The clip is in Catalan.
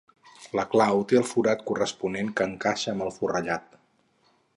La clau té el forat corresponent que encaixa amb el forrellat.